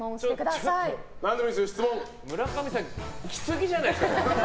ちょっと、村上さん来すぎじゃないですか？